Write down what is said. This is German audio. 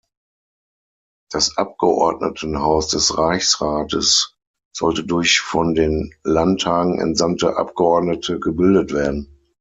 Das Abgeordnetenhaus des Reichsrates sollte durch von den Landtagen entsandte Abgeordnete gebildet werden.